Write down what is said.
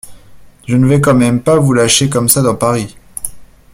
Je ne vais quand même pas vous lâcher comme ça dans Paris !